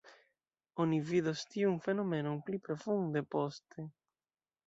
Oni vidos tiun fenomenon pli profunde poste.